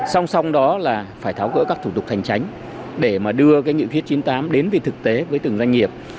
song song đó là phải tháo gỡ các thủ tục thành tránh để đưa nghị quyết chín mươi tám đến thực tế với từng doanh nghiệp